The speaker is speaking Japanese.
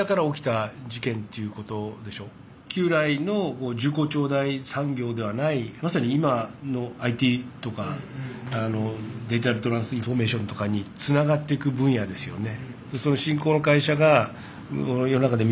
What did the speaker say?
旧来の重厚長大産業ではないまさに今のＩＴとかデジタルトランスフォーメーションとかにつながっていく分野ですよね。